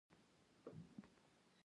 کاناډا ته تر راتګ څو ورځې وروسته.